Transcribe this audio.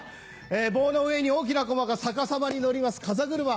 棒の上に大きなこまが逆さまに乗ります風車。